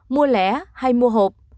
mua lẻ hay mua hộp